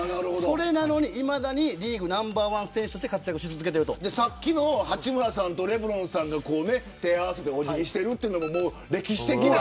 なのに、いまだにリーグナンバーワン選手として八村さんとレブロンさんが手を合わせてお辞儀している歴史的な。